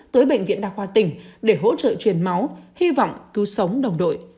tới bệnh viện đa khoa tỉnh để hỗ trợ truyền máu hy vọng cứu sống đồng đội